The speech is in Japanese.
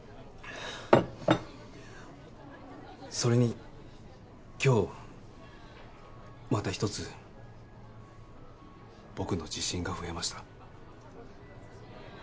それに今日また一つ僕の自信が増えました。